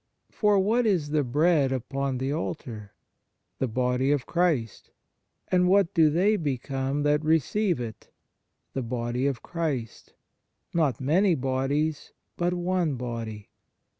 For what is the bread upon the altar ? The body of Christ. And what do they become that receive it ? The body of Christ ; not many bodies, but one body.